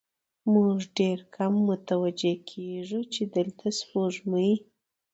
موږ ډېر کم متوجه کېږو، چې دلته سپوږمۍ